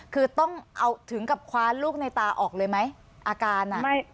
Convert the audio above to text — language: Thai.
คือต้องเอาถึงกับคว้าลูกในตาออกเลยไหมอาการ